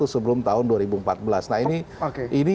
sebelum tahun dua ribu empat belas nah ini